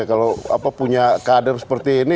kalau punya kader seperti ini